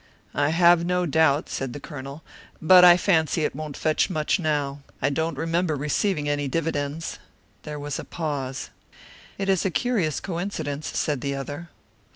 "I have no doubt," said the Colonel. "But I fancy it won't fetch much now. I don't remember receiving any dividends." There was a pause. "It is a curious coincidence," said the other.